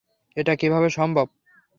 এটা কিভাবে সম্ভব!